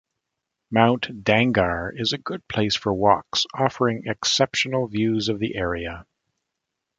Mount Dangar is a good place for walks, offering exceptional views of the area.